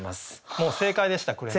もう正解でした紅さん。